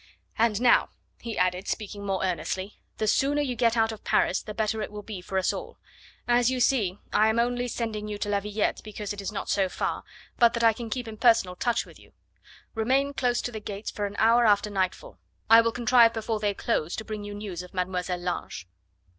And now," he added, speaking more earnestly, "the sooner you get out of Paris the better it will be for us all. As you see, I am only sending you to La Villette, because it is not so far, but that I can keep in personal touch with you. Remain close to the gates for an hour after nightfall. I will contrive before they close to bring you news of Mademoiselle Lange."